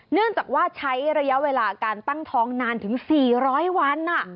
เนื่องจากว่าใช้ระยะเวลาการตั้งท้องนานถึง๔๐๐วัน